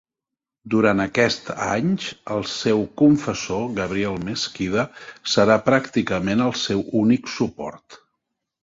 Durant aquests anys el seu confessor Gabriel Mesquida serà pràcticament el seu únic suport.